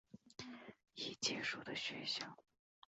已结束的学校